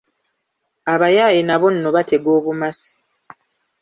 Abayaaye nabo nno batega obumasu!